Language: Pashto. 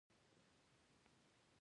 د دې ژورنال مقالې ډیرې حواله کیږي.